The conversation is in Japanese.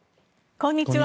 こんにちは。